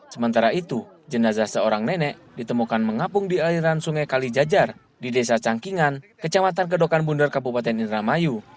sementara itu jenazah seorang nenek ditemukan mengapung di aliran sungai kalijajar di desa cangkingan kecamatan kedokan bundar kabupaten indramayu